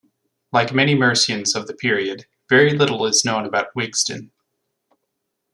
Like many Mercians of the period very little is known about Wigstan.